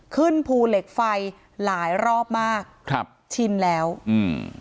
ขึ้นภูเหล็กไฟหลายรอบมากครับชินแล้วอืม